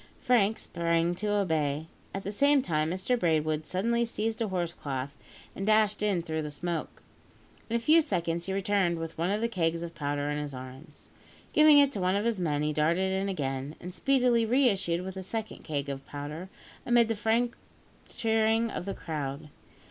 Frank sprang to obey. At the same time, Mr Braidwood suddenly seized a horse cloth, and dashed in through the smoke. In a few seconds, he returned with one of the kegs of powder in his arms. Giving it to one of his men, he darted in again, and speedily re issued with the second keg of powder, amid the frantic cheering of the crowd.